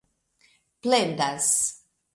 plendas